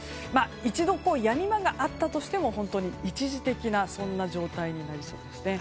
一度、やみ間があっても本当に一時的なそんな状態になりそうです。